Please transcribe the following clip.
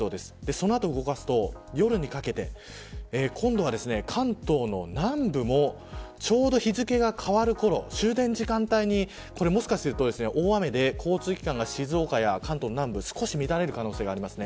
その後動かすと、夜にかけて今度は、関東の南部もちょうど日付が変わる頃終電時間帯にもしかすると大雨で交通機関が静岡や関東南部少し乱れる可能性があります。